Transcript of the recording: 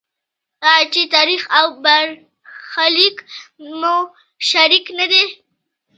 آیا چې تاریخ او برخلیک مو شریک نه دی؟